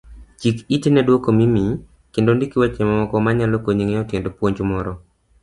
Chikiti nedwoko mimiyi kendo ndik weche mamoko manyalo konyi ng'eyo tiend puonj moro.